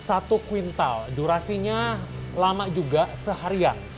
satu kuintal durasinya lama juga seharian